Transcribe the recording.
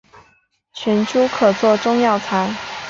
全株可做中药材。